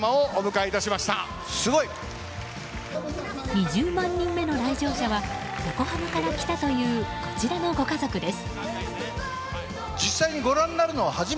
２０万人目の来場者は横浜から来たというこちらのご家族です。